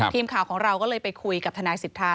ทีมข่าวของเราก็เลยไปคุยกับทนายสิทธา